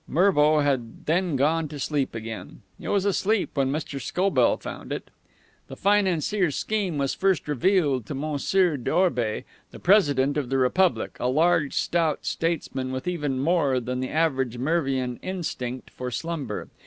Mervo had then gone to sleep again. It was asleep when Mr. Scobell found it. The financier's scheme was first revealed to M. d'Orby, the President of the Republic, a large, stout statesman with even more than the average Mervian instinct for slumber.